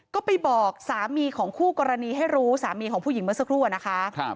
ก็ไปบอกสามีของคู่กรณีให้รู้สามีของผู้หญิงเมื่อสักครู่อะนะคะ